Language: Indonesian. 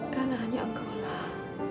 karena hanya engkau lah